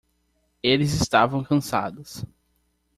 Eles estavam cansados.